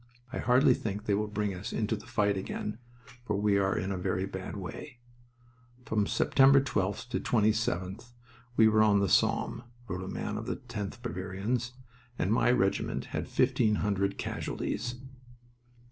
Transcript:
I hardly think they will bring us into the fight again, for we are in a very bad way." "From September 12th to 27th we were on the Somme," wrote a man of the 10th Bavarians, "and my regiment had fifteen hundred casualties."